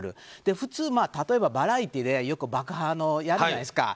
普通、例えばバラエティーでよく爆破をやるじゃないですか。